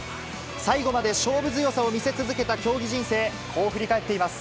最後まで勝負強さを見せ続けた競技人生、こう振り返っています。